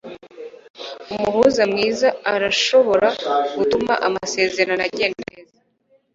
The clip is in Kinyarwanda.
Umuhuza mwiza arashobora gutuma amasezerano agenda neza.